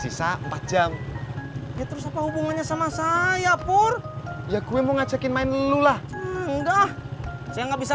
sisa empat jam ya terus apa hubungannya sama saya pur ya gue mau ngajakin main lu lah enggak saya enggak bisa